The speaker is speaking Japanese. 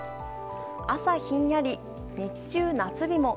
朝ひんやり、日中夏日も。